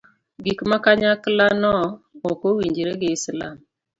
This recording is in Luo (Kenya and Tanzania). gik ma kanyakla no ok owinjre gi islam